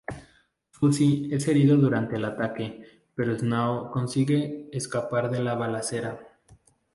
Fuzzy es herido durante el ataque, pero Swan consigue escapar de la "balacera".